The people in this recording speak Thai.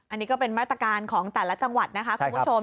อันนี้ก็เป็นมาตรการของแต่ละจังหวัดนะคะคุณผู้ชม